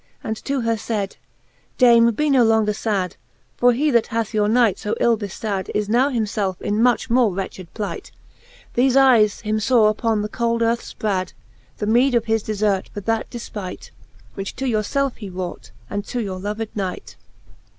And to her laid, Dame, be no longer fad; For he, that hath your knight fb ill beftad, Is now him felfe in much more wretched plight: Thefe eyes him faw upon the cold earth fprad. The meede of his defert for that defpight, Which to your feife he wrought, and to your loved knight.